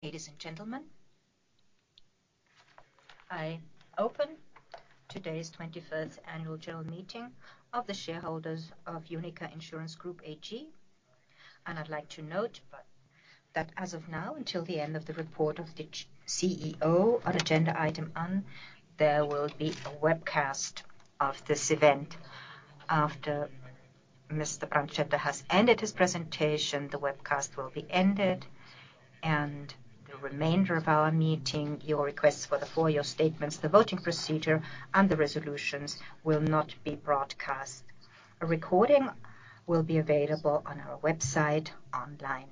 Ladies and gentlemen, I open today's 21st annual general meeting of the shareholders of UNIQA Insurance Group AG. I'd like to note that as of now, until the end of the report of the CEO on agenda item on, there will be a webcast of this event. After Mr. Brandstetter has ended his presentation, the webcast will be ended, and the remainder of our meeting, your requests for the 4-year statements, the voting procedure, and the resolutions will not be broadcast. A recording will be available on our website online.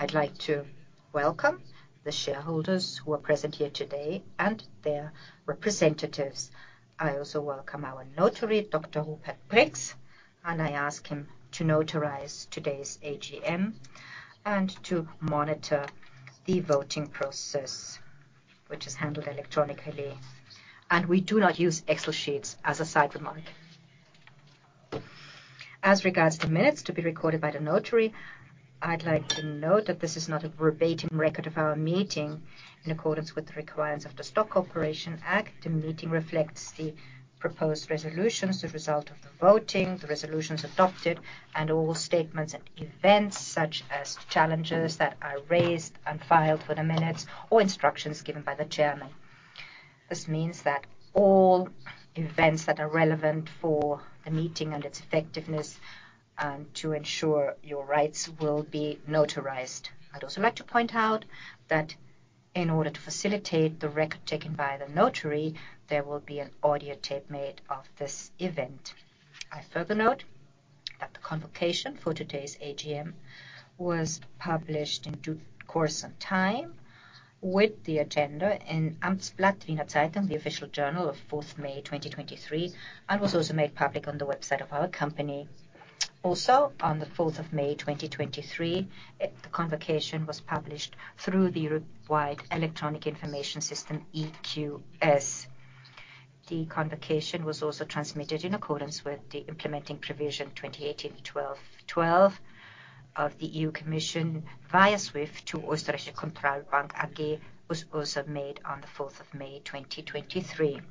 I'd like to welcome the shareholders who are present here today and their representatives. I also welcome our notary, Dr. Rupert Brix, and I ask him to notarize today's AGM and to monitor the voting process, which is handled electronically. We do not use Excel sheets as a side remark. As regards the minutes to be recorded by the notary, I'd like to note that this is not a verbatim record of our meeting in accordance with the requirements of the Stock Corporation Act. The meeting reflects the proposed resolutions, the result of the voting, the resolutions adopted, and all statements and events, such as challenges that are raised and filed for the minutes or instructions given by the chairman. This means that all events that are relevant for the meeting and its effectiveness, and to ensure your rights will be notarized. I'd also like to point out that in order to facilitate the record taken by the notary, there will be an audio tape made of this event. I further note that the convocation for today's AGM was published in due course and time with the agenda, and Amtsblatt zur Wiener Zeitung, the official journal of May 4, 2023, and was also made public on the website of our company. On May 4, 2023, the convocation was published through the wide electronic information system, EQS. The convocation was also transmitted in accordance with the implementing provision 2018/1212 of the EU Commission via SWIFT to Oesterreichische Kontrollbank AG, was also made on May 4, 2023.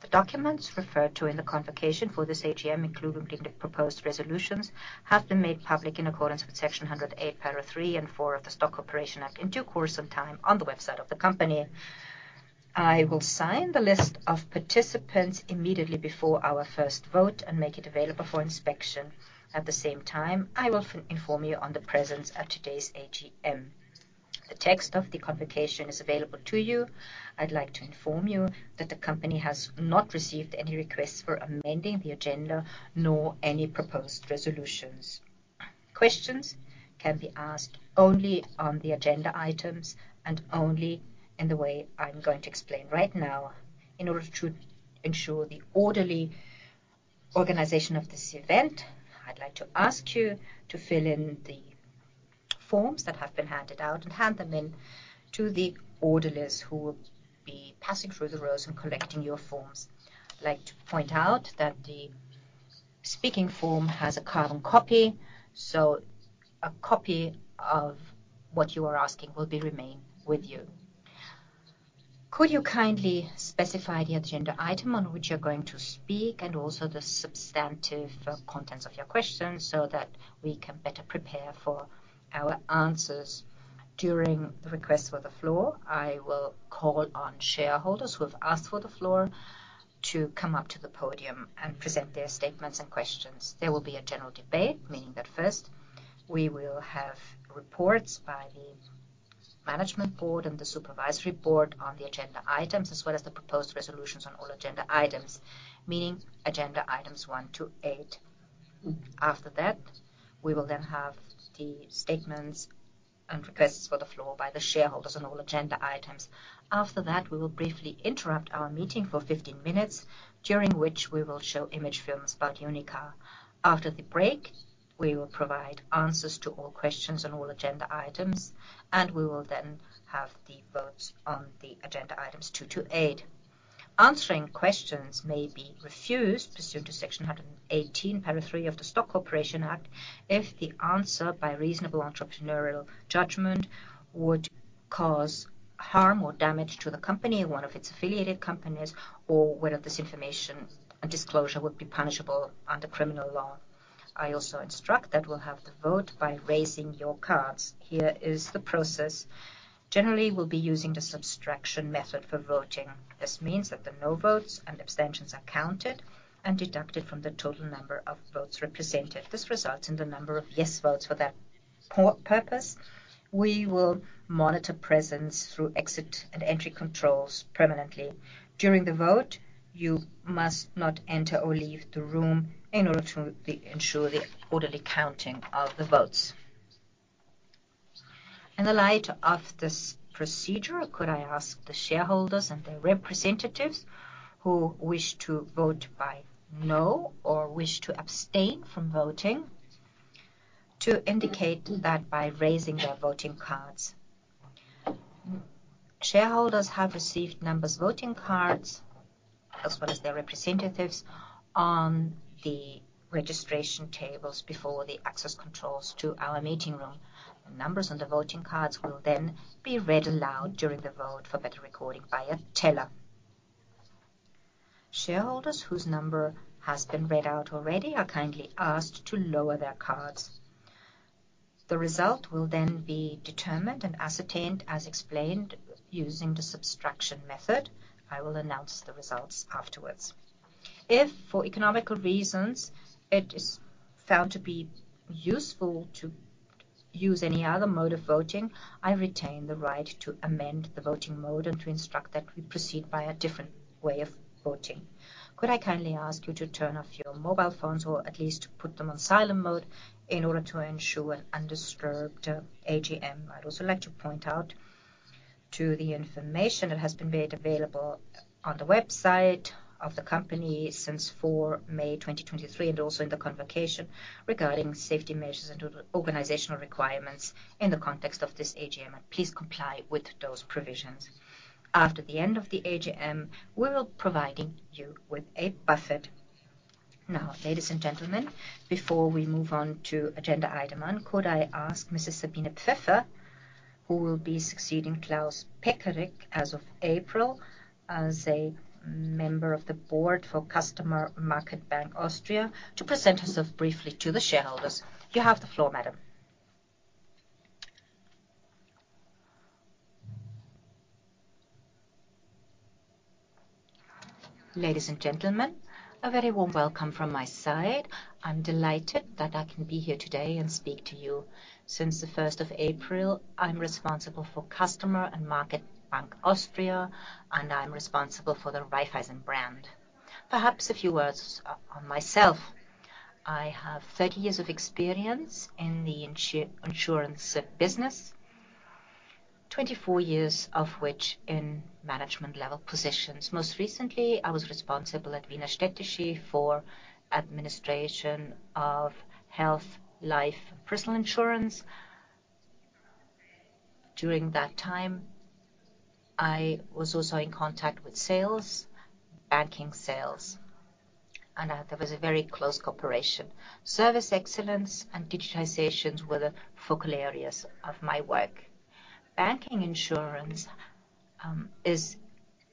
The documents referred to in the convocation for this AGM, including the proposed resolutions, have been made public in accordance with Section 108, paragraph 3 and 4 of the Stock Corporation Act, in due course and time on the website of the company. I will sign the list of participants immediately before our first vote and make it available for inspection. At the same time, I will inform you on the presence at today's AGM. The text of the convocation is available to you. I'd like to inform you that the company has not received any requests for amending the agenda, nor any proposed resolutions. Questions can be asked only on the agenda items and only in the way I'm going to explain right now. In order to ensure the orderly organization of this event, I'd like to ask you to fill in the forms that have been handed out and hand them in to the orderlies who will be passing through the rows and collecting your forms. I'd like to point out that the speaking form has a carbon copy, so a copy of what you are asking will be remain with you. Could you kindly specify the agenda item on which you're going to speak, and also the substantive contents of your question, so that we can better prepare for our answers? During the request for the floor, I will call on shareholders who have asked for the floor to come up to the podium and present their statements and questions. There will be a general debate, meaning that first, we will have reports by the management board and the supervisory board on the agenda items, as well as the proposed resolutions on all agenda items, meaning agenda items one to eight. After that, we will then have the statements and requests for the floor by the shareholders on all agenda items. After that, we will briefly interrupt our meeting for 15 minutes, during which we will show image films about UNIQA. After the break, we will provide answers to all questions on all agenda items, and we will then have the votes on the agenda items 2 to 8. Answering questions may be refused pursuant to Section 118, paragraph 3 of the Stock Corporation Act, if the answer by reasonable entrepreneurial judgment would cause harm or damage to the company, one of its affiliated companies, or whether this information and disclosure would be punishable under criminal law. I also instruct that we'll have the vote by raising your cards. Here is the process. Generally, we'll be using the subtraction method for voting. This means that the no votes and abstentions are counted and deducted from the total number of votes represented. This results in the number of yes votes for that purpose. We will monitor presence through exit and entry controls permanently. During the vote, you must not enter or leave the room in order to ensure the orderly counting of the votes. In the light of this procedure, could I ask the shareholders and their representatives who wish to vote by no or wish to abstain from voting, to indicate that by raising their voting cards? Shareholders have received numbers voting cards, as well as their representatives on the registration tables before the access controls to our meeting room. The numbers on the voting cards will then be read aloud during the vote for better recording by a teller. Shareholders whose number has been read out already are kindly asked to lower their cards. The result will then be determined and ascertained as explained, using the subtraction method. I will announce the results afterwards. If, for economical reasons, it is found to be useful to use any other mode of voting, I retain the right to amend the voting mode and to instruct that we proceed by a different way of voting. Could I kindly ask you to turn off your mobile phones, or at least put them on silent mode in order to ensure an undisturbed, AGM? I'd also like to point out to the information that has been made available on the website of the company since May 4, 2023, and also in the convocation, regarding safety measures and to the organizational requirements in the context of this AGM, and please comply with those provisions. After the end of the AGM, we will providing you with a buffet. Now, ladies and gentlemen, before we move on to agenda item one, could I ask Mrs. Sabine Pfeffer, who will be succeeding Klaus Pekarek as of April, as a member of the board for Customer Market Bank Austria, to present herself briefly to the shareholders. You have the floor, Madam. Ladies and gentlemen, a very warm welcome from my side. I'm delighted that I can be here today and speak to you. Since the first of April, I'm responsible for Customer and Market Bank Austria, and I'm responsible for the Raiffeisen brand. Perhaps a few words on myself. I have 30 years of experience in the insurance business, 24 years of which in management-level positions. Most recently, I was responsible at Wiener Städtische for administration of health, life, personal insurance. During that time, I was also in contact with sales, banking sales, and there was a very close cooperation. Service excellence and digitalizations were the focal areas of my work. Bancassurance is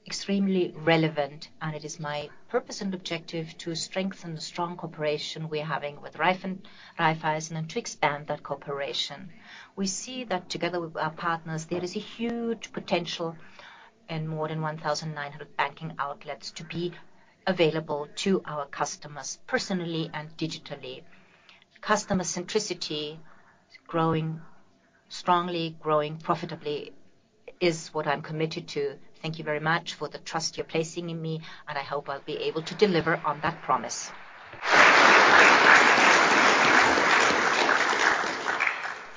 extremely relevant, and it is my purpose and objective to strengthen the strong cooperation we're having with Raiffeisen, and to expand that cooperation. We see that together with our partners, there is a huge potential in more than 1,900 banking outlets to be available to our customers, personally and digitally. Customer centricity, growing strongly, growing profitably, is what I'm committed to. Thank you very much for the trust you're placing in me, and I hope I'll be able to deliver on that promise.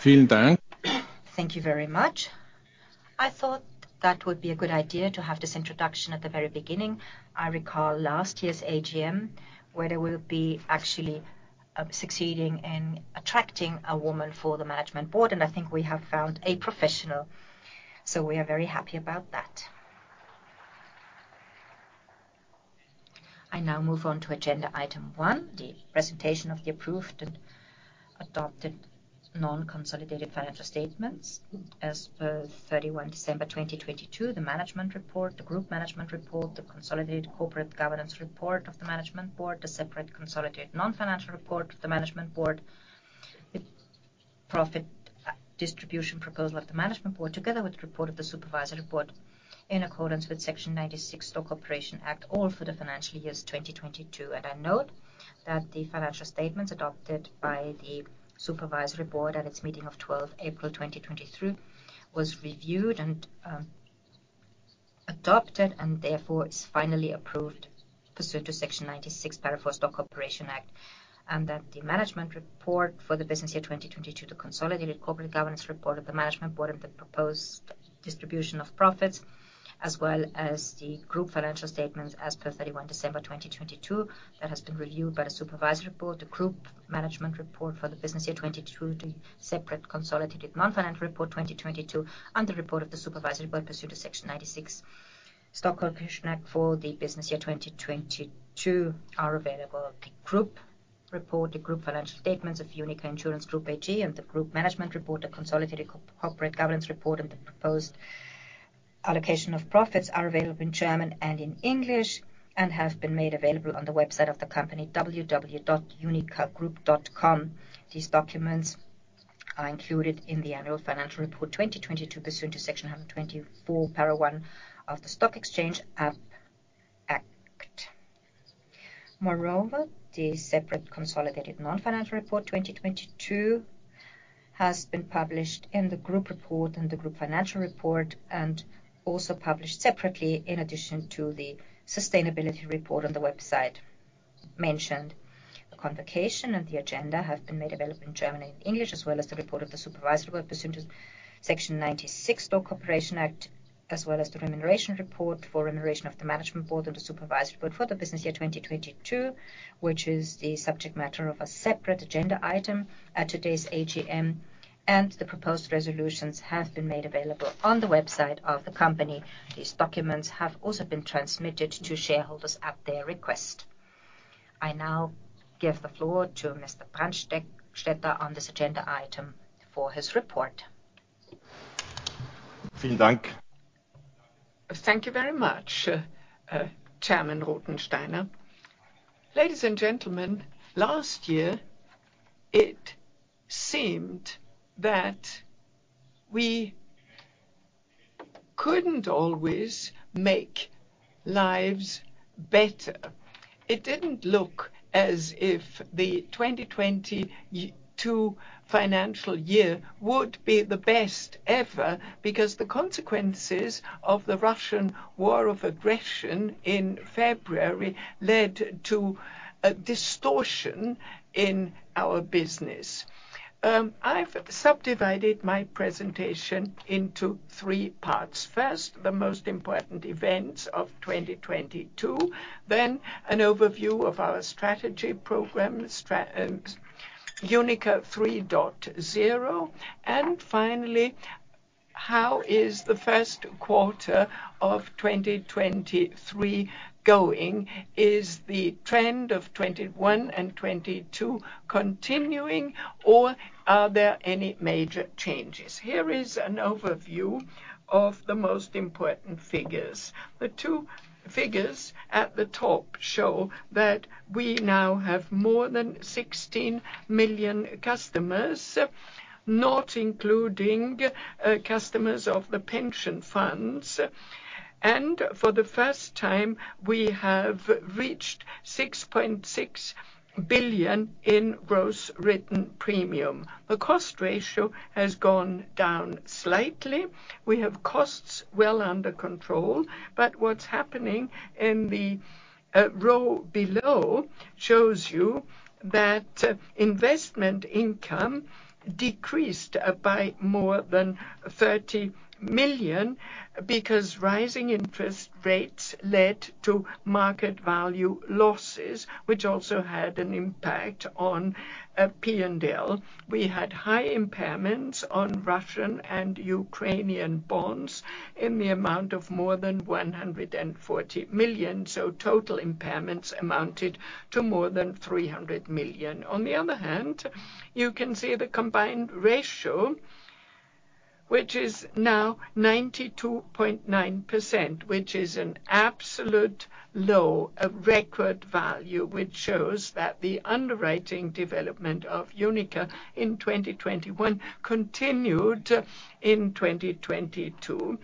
Thank you very much. I thought that would be a good idea to have this introduction at the very beginning. I recall last year's AGM, where there will be actually succeeding in attracting a woman for the management board, and I think we have found a professional, so we are very happy about that. I now move on to agenda item one, the presentation of the approved and adopted non-consolidated financial statements as per 31 December 2022. The management report, the group management report, the consolidated corporate governance report of the management board, the separate consolidated non-financial report of the management board, the profit distribution proposal of the management board, together with the report of the supervisory board, in accordance with Section 96, Stock Corporation Act, all for the financial years 2022. I note that the financial statements adopted by the supervisory board at its meeting of 12 April 2023, was reviewed and adopted, and therefore is finally approved pursuant to Section 96, paragraph 4, Stock Corporation Act. That the management report for the business year 2022, the consolidated corporate governance report of the management board, and the proposed distribution of profits, as well as the group financial statements as per 31 December 2022, that has been reviewed by the supervisory board. The group management report for the business year 2022, the separate consolidated non-financial report 2022, and the report of the supervisory board pursuant to Section 96, Stock Corporation Act for the business year 2022 are available. The group report, the group financial statements of UNIQA Insurance Group AG, and the group management report, the consolidated corporate governance report, and the proposed allocation of profits are available in German and in English, and have been made available on the website of the company, www.uniqagroup.com. These documents are included in the annual financial report 2022, pursuant to Section 124, paragraph 1 of the Stock Exchange Act. Moreover, the separate consolidated non-financial report 2022 has been published in the group report and the group financial report, and also published separately, in addition to the sustainability report on the website mentioned. The convocation and the agenda have been made available in German and English, as well as the report of the supervisory board, pursuant to Section 96, Stock Corporation Act, as well as the remuneration report for remuneration of the management board and the supervisory board for the business year 2022, which is the subject matter of a separate agenda item at today's AGM. The proposed resolutions have been made available on the website of the company. These documents have also been transmitted to shareholders at their request. I now give the floor to Mr. Brandstetter on this agenda item for his report. Thank you very much, Chairman Rothensteiner. Ladies and gentlemen, last year, it seemed that we couldn't always make lives better. It didn't look as if the 2022 financial year would be the best ever, because the consequences of the Russian war of aggression in February led to a distortion in our business. I've subdivided my presentation into three parts. First, the most important events of 2022, then an overview of our strategy program, UNIQA 3.0, and finally, how is the first quarter of 2023 going? Is the trend of 2021 and 2022 continuing, or are there any major changes? Here is an overview of the most important figures. The two figures at the top show that we now have more than 16 million customers, not including customers of the pension funds. For the first time, we have reached 6.6 billion in gross written premium. The cost ratio has gone down slightly. We have costs well under control. What's happening in the row below shows you that investment income decreased by more than 30 million, because rising interest rates led to market value losses, which also had an impact on P&L. We had high impairments on Russian and Ukrainian bonds in the amount of more than 140 million. Total impairments amounted to more than 300 million. On the other hand, you can see the combined ratio, which is now 92.9%, which is an absolute low, a record value, which shows that the underwriting development of UNIQA in 2021 continued in 2022.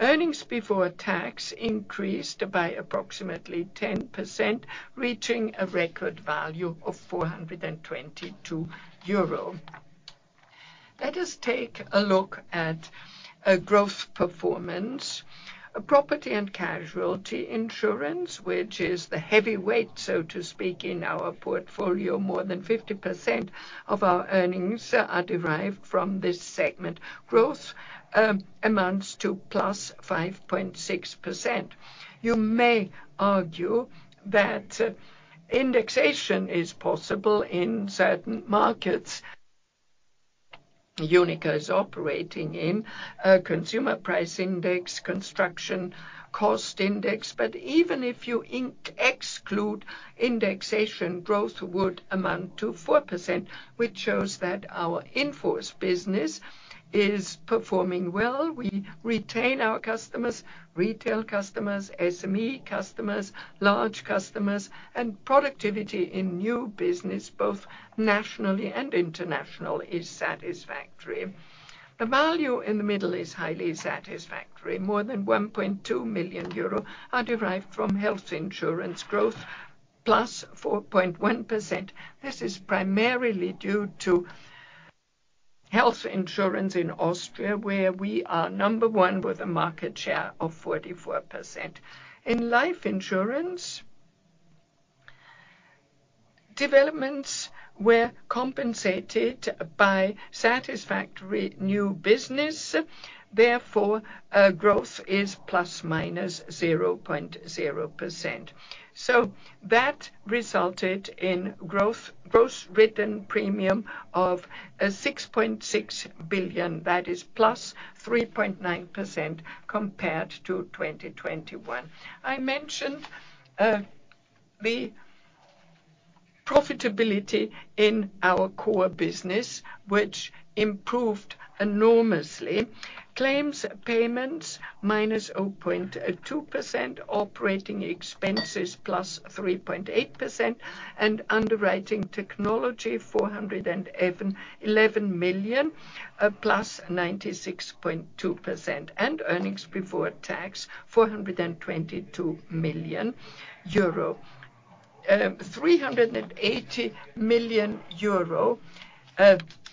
Earnings before tax increased by approximately 10%, reaching a record value of 422 euro. Let us take a look at a growth performance. Property and casualty insurance, which is the heavyweight, so to speak, in our portfolio, more than 50% of our earnings are derived from this segment. Growth amounts to +5.6%. You may argue that indexation is possible in certain markets UNIQA is operating in, consumer price index, construction cost index, but even if you exclude indexation, growth would amount to 4%, which shows that our in-force business is performing well. We retain our customers, retail customers, SME customers, large customers, and productivity in new business, both nationally and international, is satisfactory. The value in the middle is highly satisfactory. More than 1.2 million euro are derived from health insurance growth, +4.1%. This is primarily due to health insurance in Austria, where we are number one with a market share of 44%. In life insurance, developments were compensated by satisfactory new business. Growth is ±0.0%. That resulted in growth, gross written premium of 6.6 billion. That is +3.9% compared to 2021. I mentioned the profitability in our core business, which improved enormously. Claims payments, -0.2%, operating expenses, +3.8%, and underwriting technology, 411 million, +96.2%, and earnings before tax, 422 million euro. 380 million euro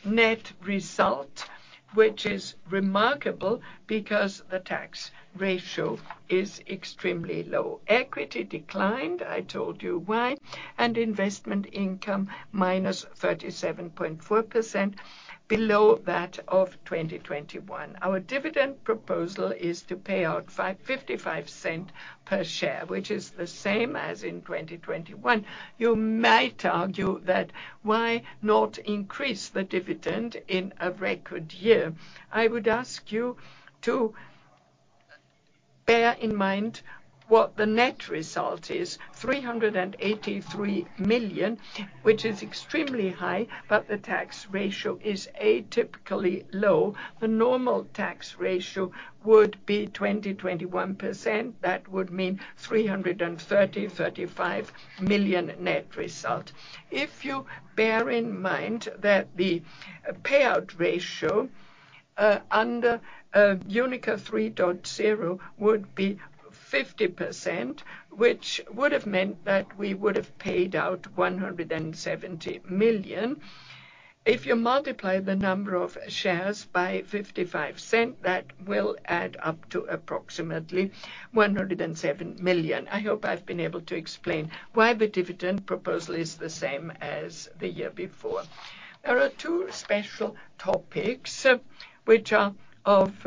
net result, which is remarkable because the tax ratio is extremely low. Equity declined, I told you why, and investment income, -37.4%, below that of 2021. Our dividend proposal is to pay out 0.55 per share, which is the same as in 2021. You might argue that why not increase the dividend in a record year? I would ask you to bear in mind what the net result is, 383 million, which is extremely high, but the tax ratio is atypically low. The normal tax ratio would be 21%. That would mean 335 million net result. If you bear in mind that the payout ratio under UNIQA 3.0 would be 50%, which would have meant that we would have paid out 170 million. If you multiply the number of shares by 0.55, that will add up to approximately 107 million. I hope I've been able to explain why the dividend proposal is the same as the year before. There are two special topics which are of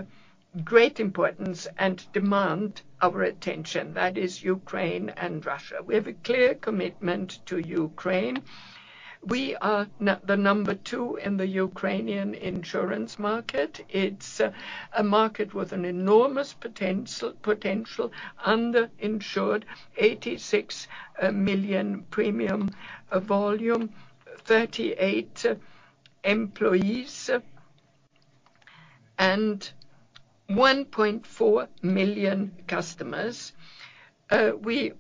great importance and demand our attention. That is Ukraine and Russia. We have a clear commitment to Ukraine. We are the number two in the Ukrainian insurance market. It's a market with an enormous potential, under-insured, 86 million premium volume, 38 employees, and 1.4 million customers. We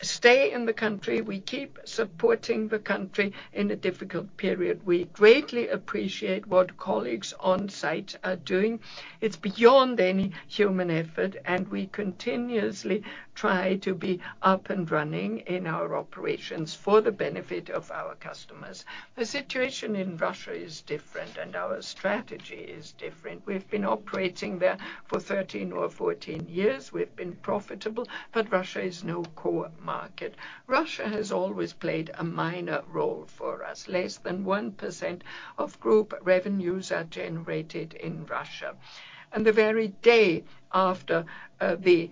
stay in the country, we keep supporting the country in a difficult period. We greatly appreciate what colleagues on site are doing. It's beyond any human effort. We continuously try to be up and running in our operations for the benefit of our customers. The situation in Russia is different. Our strategy is different. We've been operating there for 13 or 14 years. We've been profitable, but Russia is no core market. Russia has always played a minor role for us. Less than 1% of group revenues are generated in Russia. The very day after the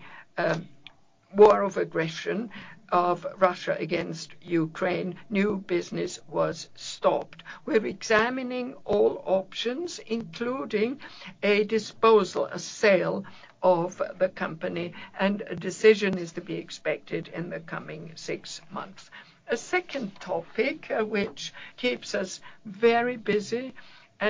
war of aggression of Russia against Ukraine, new business was stopped. We're examining all options, including a disposal, a sale of the company. A decision is to be expected in the coming 6 months. A second topic which keeps us very busy,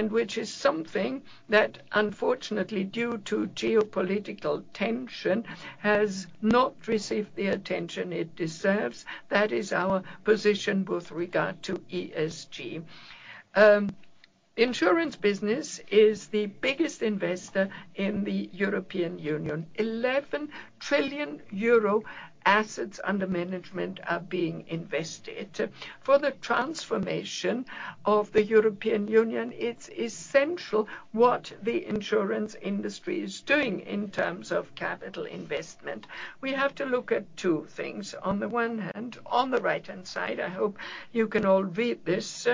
which is something that, unfortunately, due to geopolitical tension, has not received the attention it deserves. That is our position with regard to ESG. Insurance business is the biggest investor in the European Union. 11 trillion euro assets under management are being invested. For the transformation of the European Union, it's essential what the insurance industry is doing in terms of capital investment. We have to look at two things. On the one hand, on the right-hand side, I hope you can all read this,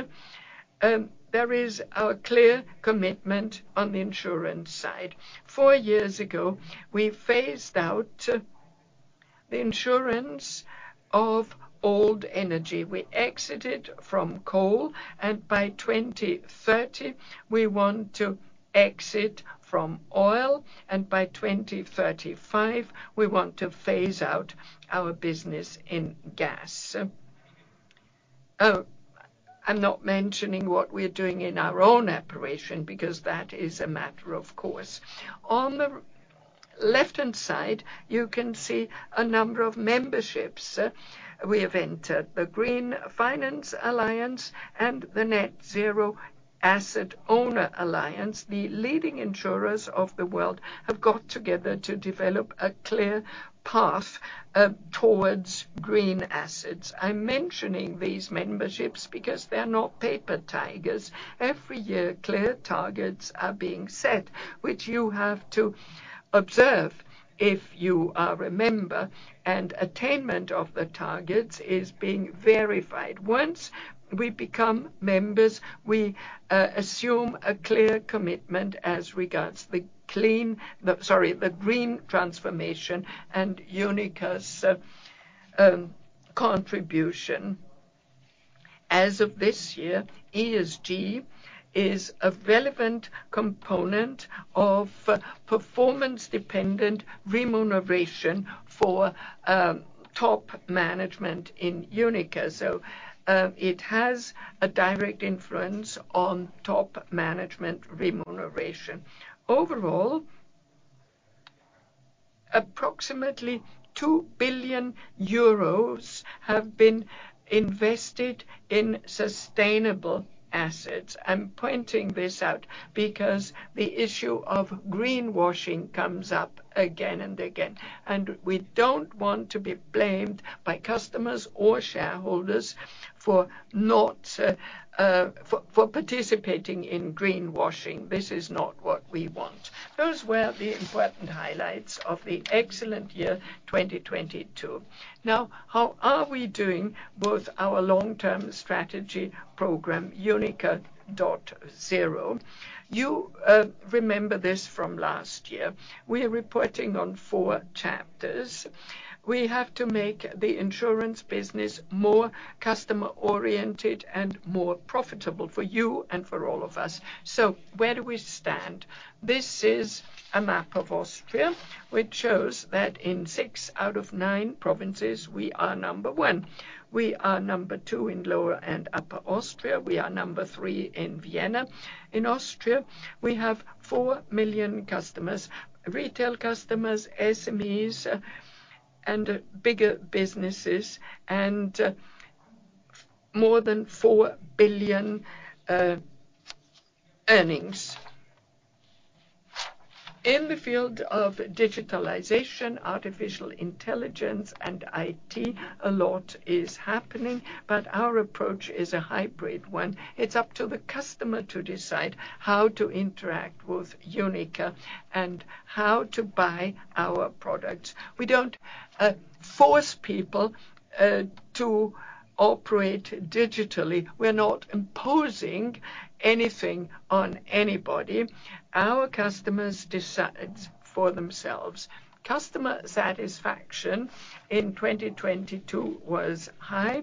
there is our clear commitment on the insurance side. Four years ago, we phased out the insurance of old energy. We exited from coal, and by 2030, we want to exit from oil, and by 2035, we want to phase out our business in gas. I'm not mentioning what we're doing in our own operation because that is a matter of course. On the left-hand side, you can see a number of memberships. We have entered the Green Finance Alliance and the Net-Zero Asset Owner Alliance. The leading insurers of the world have got together to develop a clear path towards green assets. I'm mentioning these memberships because they're not paper tigers. Every year, clear targets are being set, which you have to observe if you are a member, and attainment of the targets is being verified. Once we become members, we assume a clear commitment as regards the clean, the sorry, the green transformation and UNIQA's contribution. As of this year, ESG is a relevant component of performance-dependent remuneration for top management in UNIQA. It has a direct influence on top management remuneration. Overall, approximately 2 billion euros have been invested in sustainable assets. I'm pointing this out because the issue of greenwashing comes up again and again, and we don't want to be blamed by customers or shareholders for not participating in greenwashing. This is not what we want. Those were the important highlights of the excellent year, 2022. How are we doing with our long-term strategy program, UNIQA 3.0? You remember this from last year. We are reporting on four chapters. We have to make the insurance business more customer-oriented and more profitable for you and for all of us. Where do we stand? This is a map of Austria, which shows that in six out of nine provinces, we are number one. We are number two in Lower and Upper Austria. We are number three in Vienna. In Austria, we have 4 million customers, retail customers, SMEs, and bigger businesses, and more than EUR 4 billion earnings. In the field of digitalization, artificial intelligence, and IT, a lot is happening, but our approach is a hybrid one. It's up to the customer to decide how to interact with UNIQA and how to buy our products. We don't force people to operate digitally. We're not imposing anything on anybody. Our customers decide for themselves. Customer satisfaction in 2022 was high.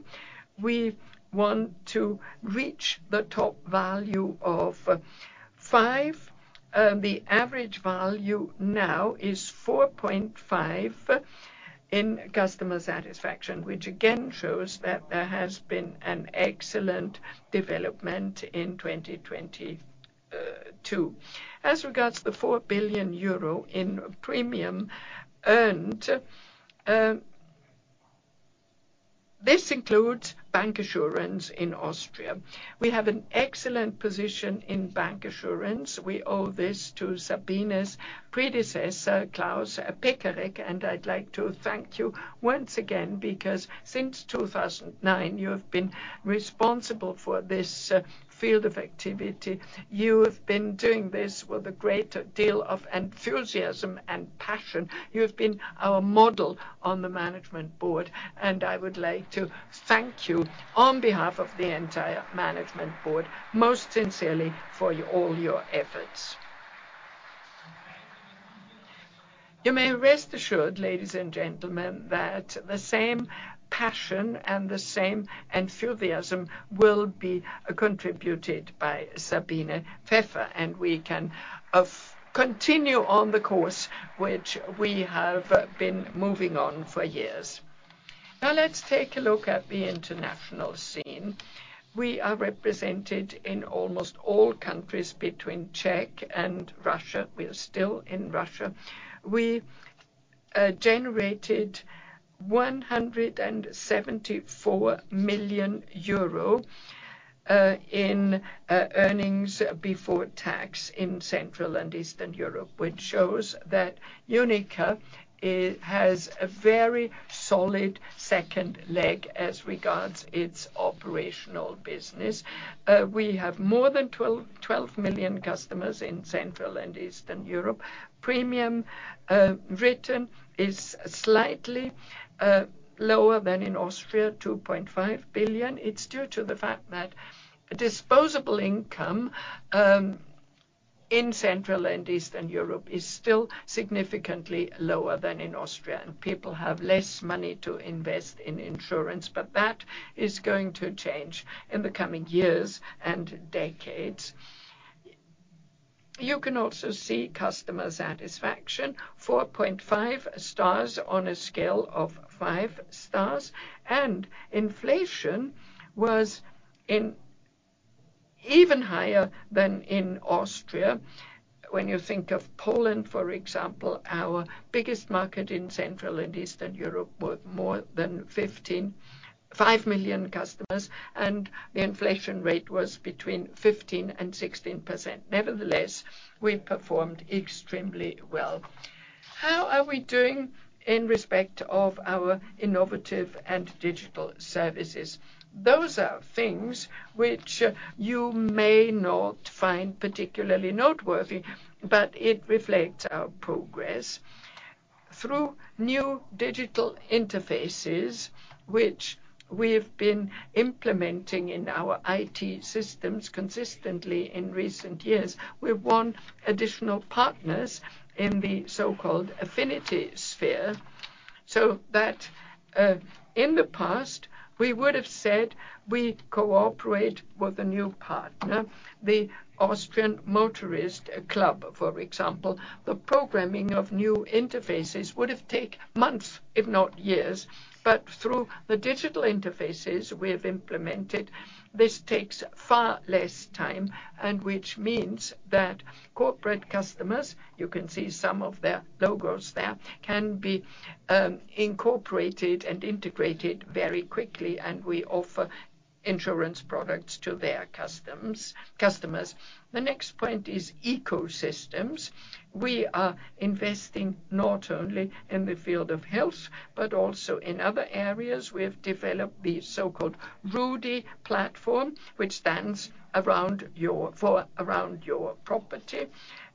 We want to reach the top value of 5. The average value now is 4.5 in customer satisfaction, which again, shows that there has been an excellent development in 2022. As regards to the 4 billion euro in premium earned, this includes bancassurance in Austria. We have an excellent position in bancassurance. We owe this to Sabine's predecessor, Klaus Pekarek, and I'd like to thank you once again, because since 2009, you have been responsible for this field of activity. You have been doing this with a great deal of enthusiasm and passion. You have been our model on the management board, and I would like to thank you on behalf of the entire management board, most sincerely for all your efforts. You may rest assured, ladies and gentlemen, that the same passion and the same enthusiasm will be contributed by Sabine Pfeffer, and we can continue on the course which we have been moving on for years. Let's take a look at the international scene. We are represented in almost all countries between Czech and Russia. We are still in Russia. We generated EUR 174 million in earnings before tax in Central and Eastern Europe, which shows that UNIQA, it has a very solid second leg as regards its operational business. We have more than 12 million customers in Central and Eastern Europe. Premium return is slightly lower than in Austria, 2.5 billion. It's due to the fact that disposable income in Central and Eastern Europe is still significantly lower than in Austria, and people have less money to invest in insurance, but that is going to change in the coming years and decades. You can also see customer satisfaction, 4.5 stars on a scale of 5 stars, and inflation was even higher than in Austria. When you think of Poland, for example, our biggest market in Central and Eastern Europe, with more than 15-5 million customers, the inflation rate was between 15% and 16%. Nevertheless, we performed extremely well. How are we doing in respect of our innovative and digital services? Those are things which you may not find particularly noteworthy, but it reflects our progress. Through new digital interfaces, which we have been implementing in our IT systems consistently in recent years, we want additional partners in the so-called affinity sphere, so that, in the past, we would have said we cooperate with a new partner, the Austrian Motorist Club, for example. The programming of new interfaces would have take months, if not years, but through the digital interfaces we have implemented, this takes far less time. Which means that corporate customers, you can see some of their logos there, can be incorporated and integrated very quickly, and we offer insurance products to their customers. The next point is ecosystems. We are investing not only in the field of health, but also in other areas. We have developed the so-called RUDI platform, which stands for around your property,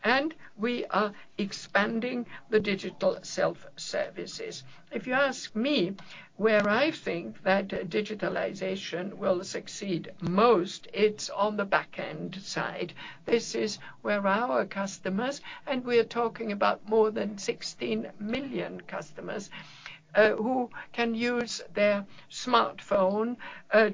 and we are expanding the digital self-services. If you ask me where I think that digitalization will succeed most, it's on the back-end side. This is where our customers, and we are talking about more than 16 million customers, who can use their smartphone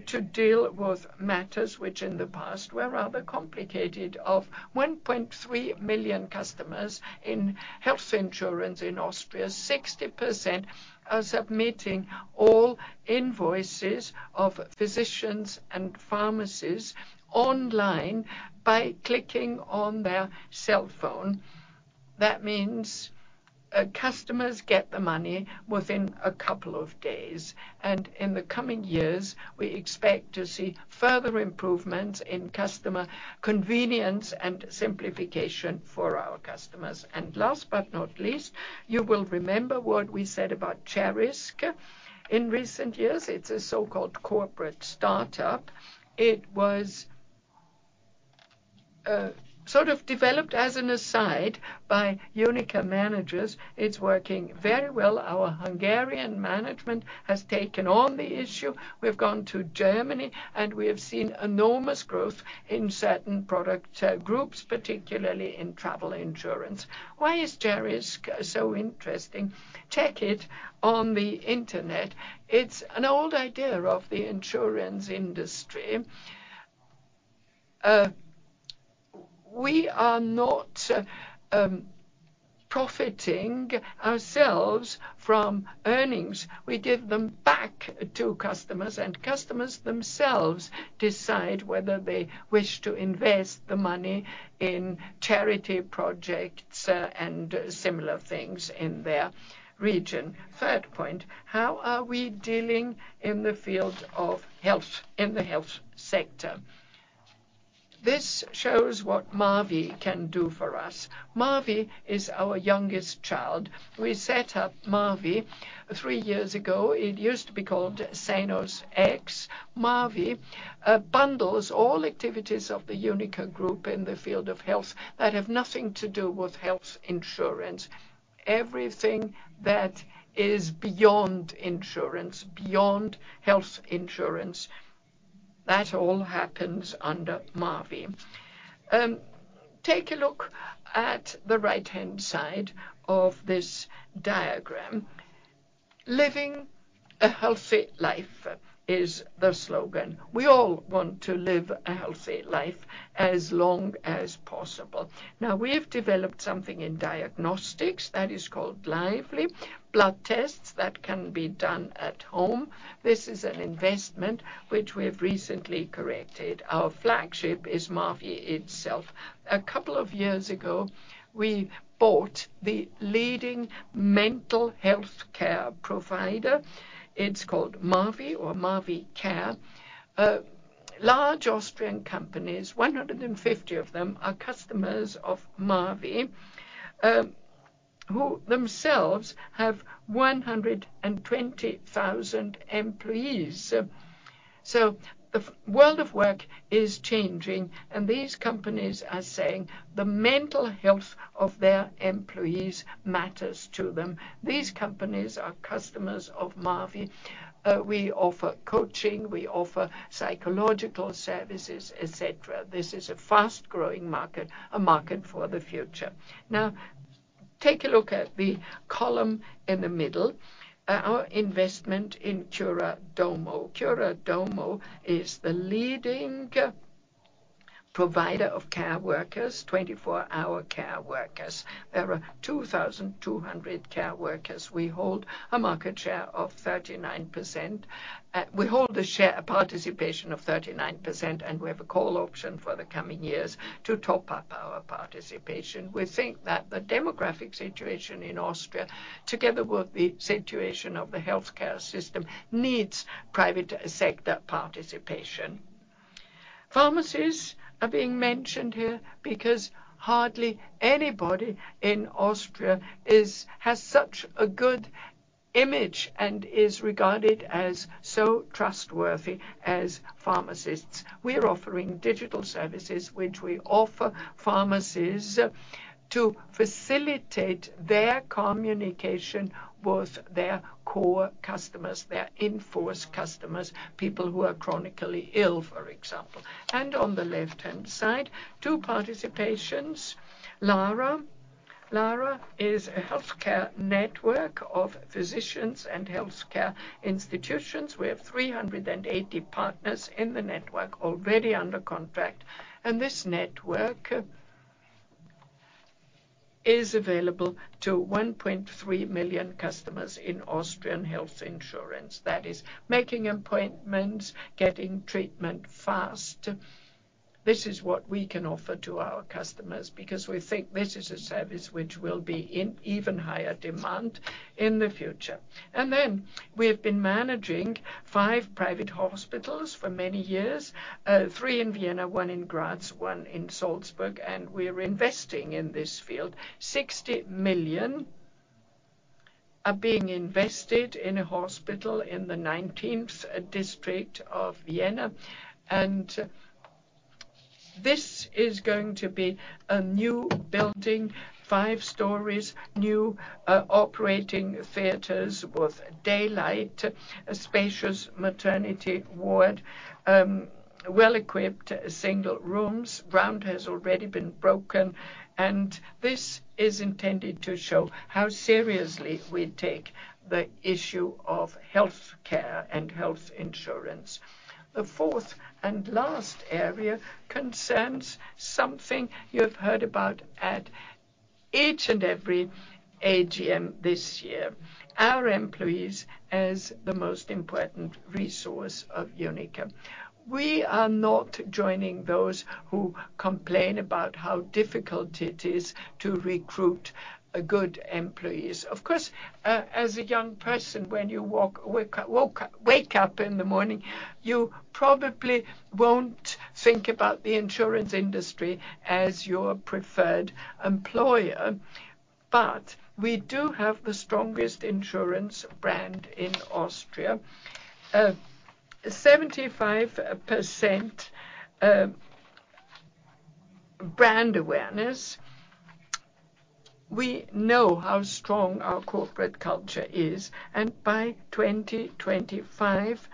to deal with matters which in the past were rather complicated. Of 1.3 million customers in health insurance in Austria, 60% are submitting all invoices of physicians and pharmacies online by clicking on their cell phone. That means customers get the money within a couple of days, and in the coming years, we expect to see further improvements in customer convenience and simplification for our customers. Last but not least, you will remember what we said about CHERRISK in recent years. It's a so-called corporate startup. It was sort of developed as an aside by UNIQA managers. It's working very well. Our Hungarian management has taken on the issue. We've gone to Germany, and we have seen enormous growth in certain product groups, particularly in travel insurance. Why is CHERRISK so interesting? Check it on the Internet. It's an old idea of the insurance industry. We are not profiting ourselves from earnings. We give them back to customers. Customers themselves decide whether they wish to invest the money in charity projects and similar things in their region. Third point, how are we dealing in the field of health, in the health sector? This shows what mavie can do for us. mavie is our youngest child. We set up mavie 3 years ago. It used to be called SanusX. mavie bundles all activities of the UNIQA Group in the field of health that have nothing to do with health insurance. Everything that is beyond insurance, beyond health insurance, that all happens under mavie. Take a look at the right-hand side of this diagram. Living a healthy life is the slogan. We all want to live a healthy life as long as possible. Now, we have developed something in diagnostics that is called Lively. Blood tests that can be done at home. This is an investment which we have recently corrected. Our flagship is mavie itself. A couple of years ago, we bought the leading mental health care provider. It's called mavie or mavie Care. Large Austrian companies, 150 of them, are customers of mavie, who themselves have 120,000 employees. The world of work is changing, and these companies are saying the mental health of their employees matters to them. These companies are customers of mavie. We offer coaching, we offer psychological services, et cetera. This is a fast-growing market, a market for the future. Take a look at the column in the middle. Our investment in cura domo. cura domo is the leading provider of care workers, 24-hour care workers. There are 2,200 care workers. We hold a market share of 39%. We hold a share, a participation of 39%, and we have a call option for the coming years to top up our participation. We think that the demographic situation in Austria, together with the situation of the healthcare system, needs private sector participation. Pharmacies are being mentioned here because hardly anybody in Austria has such a good image and is regarded as so trustworthy as pharmacists. We are offering digital services, which we offer pharmacies to facilitate their communication with their core customers, their in-force customers, people who are chronically ill, for example. On the left-hand side, 2 participations. Lara. Lara is a healthcare network of physicians and healthcare institutions. We have 380 partners in the network already under contract, and this network is available to 1.3 million customers in Austrian Health Insurance. That is making appointments, getting treatment fast. This is what we can offer to our customers because we think this is a service which will be in even higher demand in the future. We have been managing five private hospitals for many years. Three in Vienna, one in Graz, one in Salzburg, we are investing in this field. 60 million are being invested in a hospital in the 19th district of Vienna. This is going to be a new building, five stories, new operating theaters with daylight, a spacious maternity ward, well-equipped single rooms. Ground has already been broken, this is intended to show how seriously we take the issue of healthcare and health insurance. The 4th and last area concerns something you have heard about at each and every AGM this year, our employees as the most important resource of UNIQA. We are not joining those who complain about how difficult it is to recruit good employees. Of course, as a young person, when you wake up in the morning, you probably won't think about the insurance industry as your preferred employer. We do have the strongest insurance brand in Austria. 75% brand awareness. We know how strong our corporate culture is, and by 2025,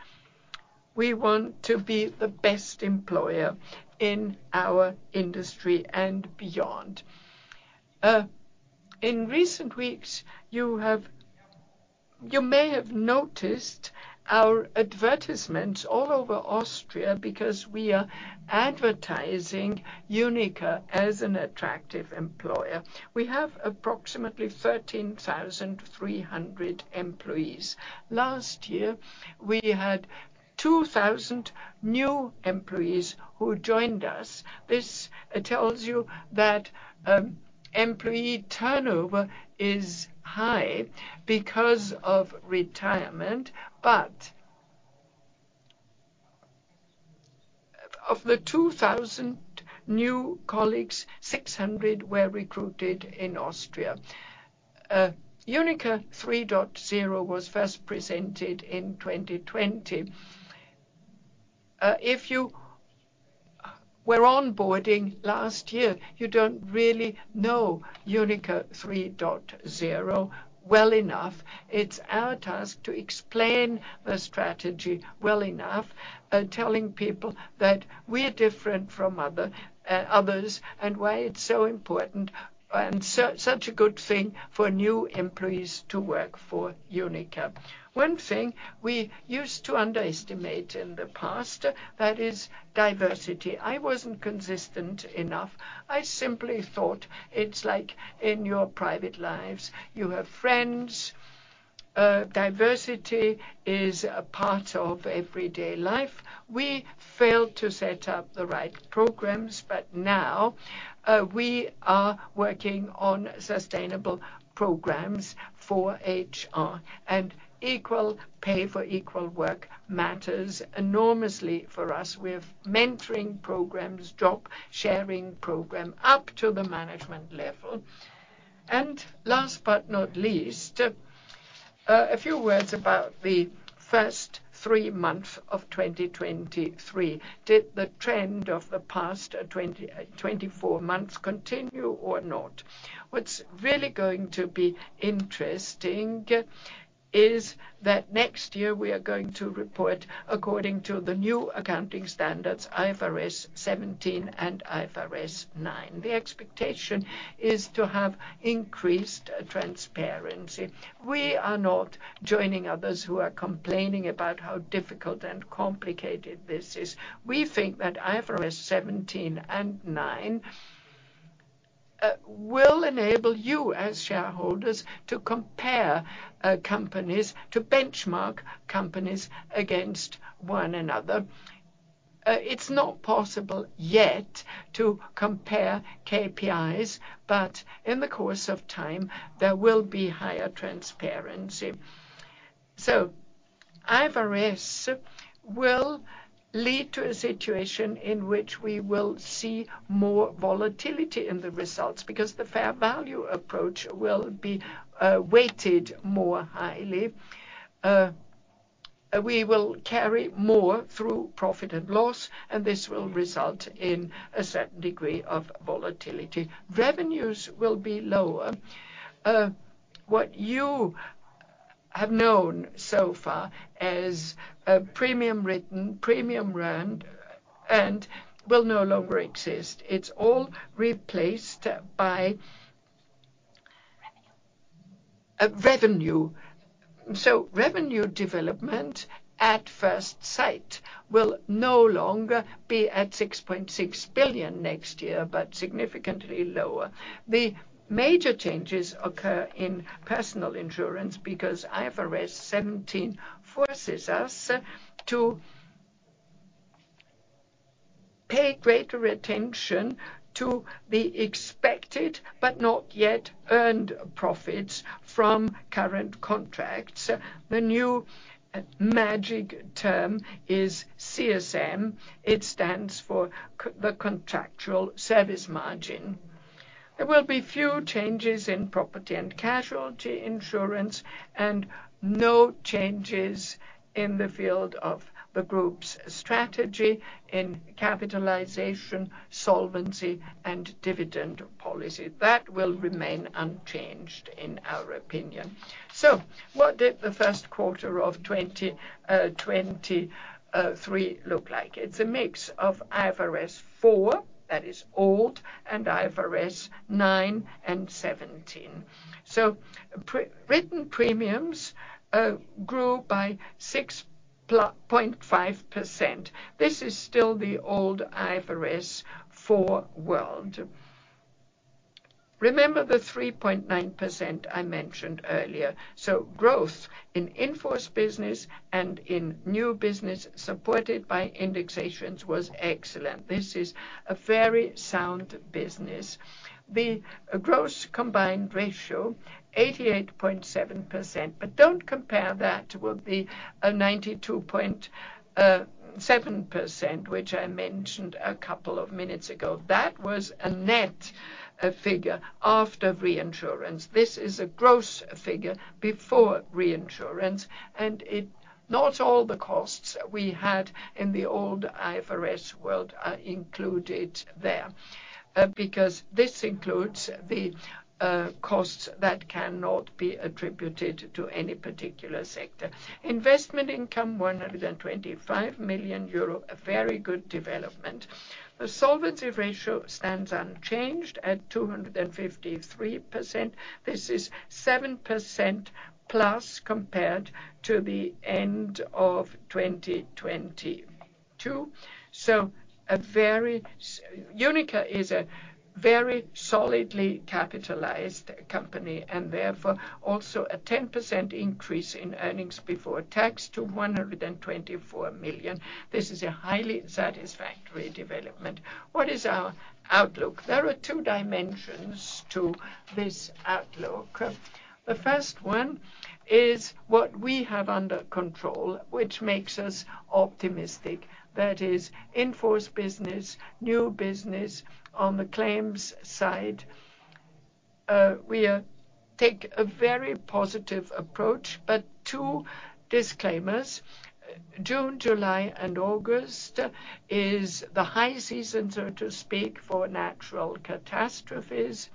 we want to be the best employer in our industry and beyond. In recent weeks, you may have noticed our advertisements all over Austria because we are advertising UNIQA as an attractive employer. We have approximately 13,300 employees. Last year, we had 2,000 new employees who joined us. This tells you that employee turnover is high because of retirement. Of the 2,000 new colleagues, 600 were recruited in Austria. UNIQA 3.0 was first presented in 2020. If you were onboarding last year, you don't really know UNIQA 3.0 well enough. It's our task to explain the strategy well enough, telling people that we're different from other others, and why it's so important and such a good thing for new employees to work for UNIQA. One thing we used to underestimate in the past, that is diversity. I wasn't consistent enough. I simply thought it's like in your private lives. You have friends. Diversity is a part of everyday life. We failed to set up the right programs. Now, we are working on sustainable programs for HR. Equal pay for equal work matters enormously for us. We have mentoring programs, job sharing program, up to the management level. Last but not least, a few words about the first three months of 2023. Did the trend of the past 24 months continue or not? What's really going to be interesting is that next year we are going to report according to the new accounting standards, IFRS 17 and IFRS 9. The expectation is to have increased transparency. We are not joining others who are complaining about how difficult and complicated this is. We think that IFRS 17 and 9 will enable you, as shareholders, to compare companies, to benchmark companies against one another. It's not possible yet to compare KPIs, but in the course of time, there will be higher transparency. IFRS will lead to a situation in which we will see more volatility in the results, because the fair value approach will be weighted more highly. We will carry more through profit and loss, this will result in a certain degree of volatility. Revenues will be lower. What you have known so far as a premium written, premium earned, will no longer exist. It's all revenue. Revenue development, at first sight, will no longer be at 6.6 billion next year, but significantly lower. The major changes occur in personal insurance because IFRS 17 forces us to pay greater attention to the expected, but not yet earned profits from current contracts. The new magic term is CSM. It stands for the contractual service margin. There will be few changes in property and casualty insurance, and no changes in the field of the group's strategy in capitalization, solvency, and dividend policy. That will remain unchanged, in our opinion. What did the first quarter of 2023 look like? It's a mix of IFRS 4, that is old, and IFRS 9 and 17. Written premiums grew by 6.5%. This is still the old IFRS 4 world. Remember the 3.9% I mentioned earlier? Growth in in-force business and in new business, supported by indexations, was excellent. This is a very sound business. The gross combined ratio, 88.7%, don't compare that with the 92.7%, which I mentioned a couple of minutes ago. That was a net figure after reinsurance. This is a gross figure before reinsurance. Not all the costs we had in the old IFRS world are included there, because this includes the costs that cannot be attributed to any particular sector. Investment income, 125 million euro, a very good development. The solvency ratio stands unchanged at 253%. This is 7%+, compared to the end of 2022. UNIQA is a very solidly capitalized company. Therefore also a 10% increase in earnings before tax to 124 million. This is a highly satisfactory development. What is our outlook? There are two dimensions to this outlook. The first one is what we have under control, which makes us optimistic. That is, in-force business, new business. On the claims side, we take a very positive approach, but 2 disclaimers: June, July, and August is the high season, so to speak, for natural catastrophes.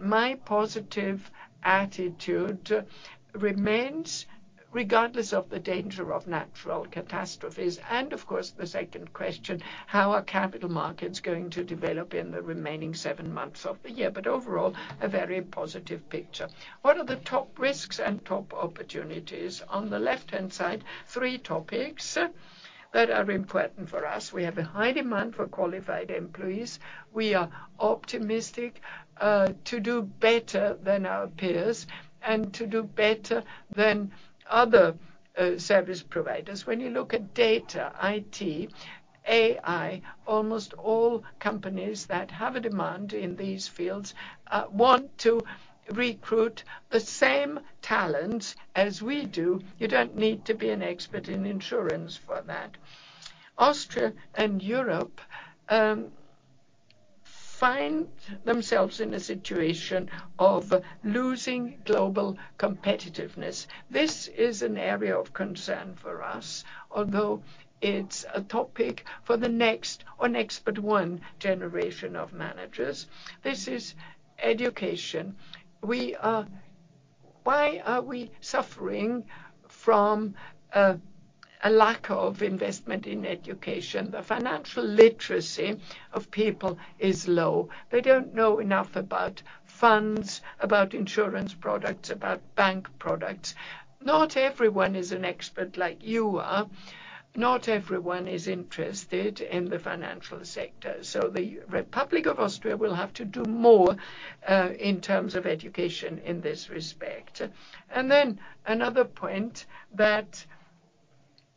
My positive attitude remains regardless of the danger of natural catastrophes. Of course, the second question: How are capital markets going to develop in the remaining 7 months of the year? Overall, a very positive picture. What are the top risks and top opportunities? On the left-hand side, 3 topics that are important for us. We have a high demand for qualified employees. We are optimistic to do better than our peers and to do better than other service providers. When you look at data, IT, AI, almost all companies that have a demand in these fields want to recruit the same talents as we do. You don't need to be an expert in insurance for that. Austria and Europe find themselves in a situation of losing global competitiveness. This is an area of concern for us, although it's a topic for the next or next, but one generation of managers. This is education. Why are we suffering from a lack of investment in education? The financial literacy of people is low. They don't know enough about funds, about insurance products, about bank products. Not everyone is an expert like you are. Not everyone is interested in the financial sector. The Republic of Austria will have to do more in terms of education in this respect. Another point that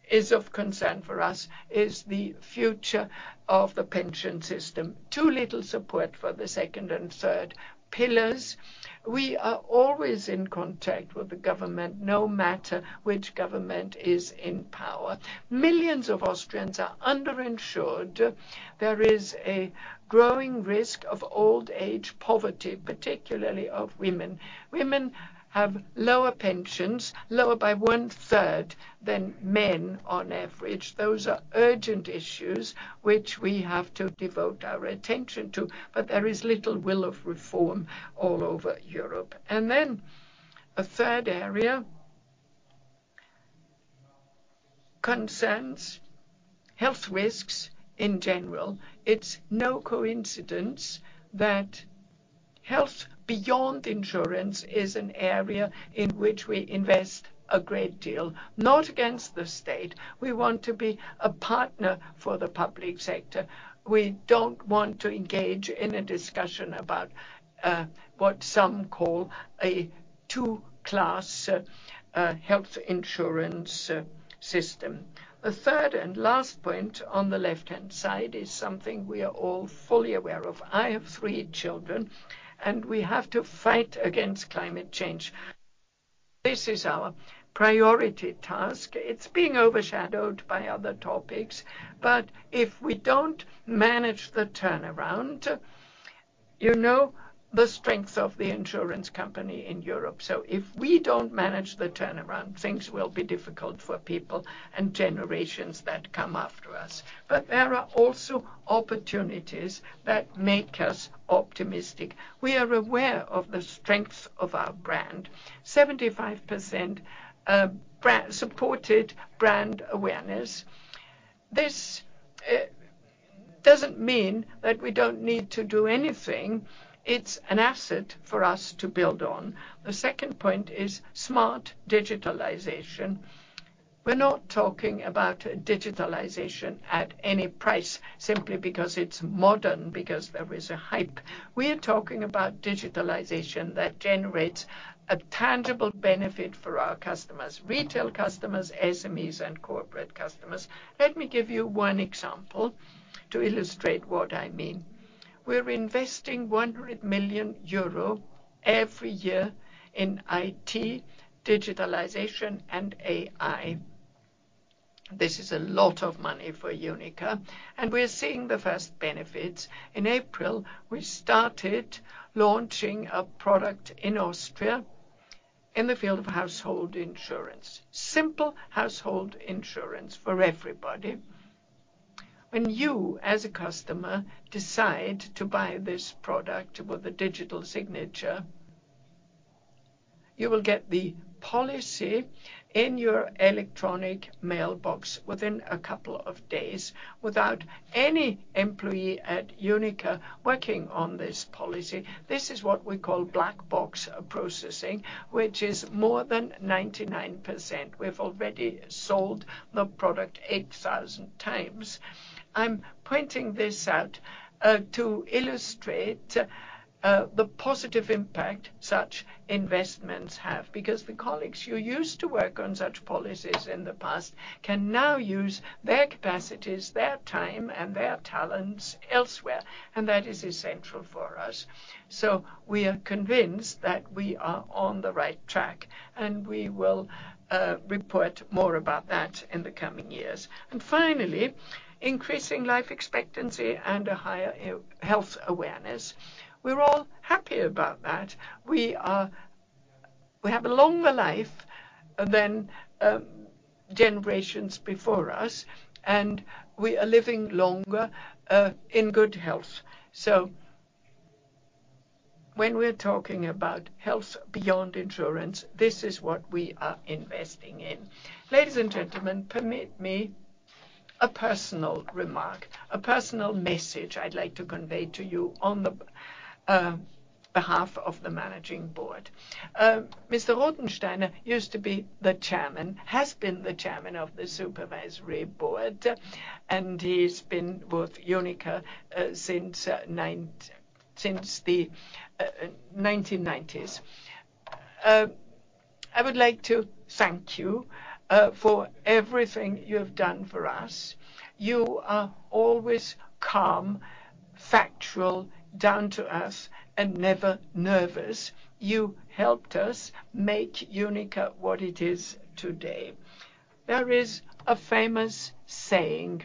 is of concern for us is the future of the pension system. Too little support for the second and third pillars. We are always in contact with the government, no matter which government is in power. Millions of Austrians are under-insured. There is a growing risk of old age poverty, particularly of women. Women have lower pensions, lower by 1/3 than men on average. Those are urgent issues which we have to devote our attention to, but there is little will of reform all over Europe. A third area concerns health risks in general. It's no coincidence that health beyond insurance is an area in which we invest a great deal. Not against the state. We want to be a partner for the public sector. We don't want to engage in a discussion about what some call a two-class health insurance system. A third and last point on the left-hand side is something we are all fully aware of. I have three children. We have to fight against climate change. This is our priority task. It's being overshadowed by other topics, if we don't manage the turnaround, you know the strength of the insurance company in Europe. If we don't manage the turnaround, things will be difficult for people and generations that come after us. There are also opportunities that make us optimistic. We are aware of the strengths of our brand. 75% supported brand awareness. This doesn't mean that we don't need to do anything. It's an asset for us to build on. The second point is smart digitalization. We're not talking about digitalization at any price, simply because it's modern, because there is a hype. We are talking about digitalization that generates a tangible benefit for our customers, retail customers, SMEs, and corporate customers. Let me give you one example to illustrate what I mean. We're investing 100 million euro every year in IT, digitalization, and AI. This is a lot of money for UNIQA. We are seeing the first benefits. In April, we started launching a product in Austria in the field of household insurance, simple household insurance for everybody. When you, as a customer, decide to buy this product with a digital signature, you will get the policy in your electronic mailbox within a couple of days without any employee at UNIQA working on this policy. This is what we call black box processing, which is more than 99%. We've already sold the product 8,000 times. I'm pointing this out to illustrate the positive impact such investments have, because the colleagues who used to work on such policies in the past can now use their capacities, their time, and their talents elsewhere, and that is essential for us. We are convinced that we are on the right track, and we will report more about that in the coming years. Finally, increasing life expectancy and a higher health awareness. We're all happy about that. We have a longer life than generations before us, and we are living longer in good health. When we're talking about health beyond insurance, this is what we are investing in. Ladies and gentlemen, permit me a personal remark, a personal message I'd like to convey to you on the behalf of the managing board. Mr. Rothensteiner used to be the chairman, has been the chairman of the Supervisory Board, and he's been with UNIQA since the 1990s. I would like to thank you for everything you have done for us. You are always calm, factual, down to earth, and never nervous. You helped us make UNIQA what it is today. There is a famous saying: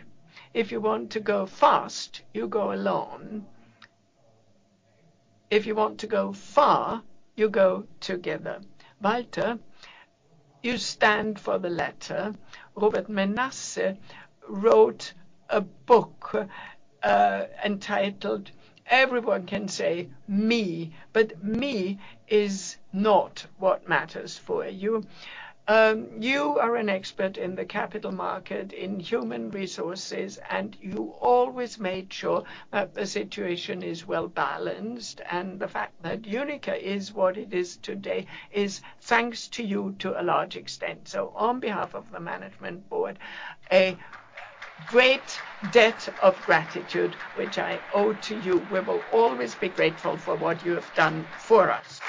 If you want to go fast, you go alone. If you want to go far, you go together. Walter, you stand for the latter. Robert Menasse wrote a book, entitled, Everyone can say me, but me is not what matters for you. You are an expert in the capital market, in human resources, you always made sure that the situation is well balanced. The fact that UNIQA is what it is today, is thanks to you to a large extent. On behalf of the management board, a great debt of gratitude, which I owe to you. We will always be grateful for what you have done for us.